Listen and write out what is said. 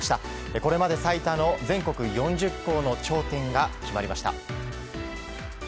これまで最多の全国４０校の頂点が決まりました。